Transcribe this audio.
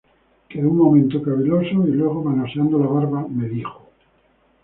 quedó un momento caviloso, y luego, manoseando la barba, me dijo: